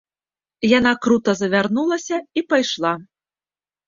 Яна крута завярнулася і пайшла.